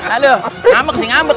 aduh ngamuk sih ngamuk